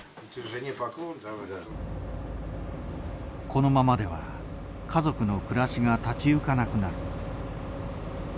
このままでは家族の暮らしが立ち行かなくなる。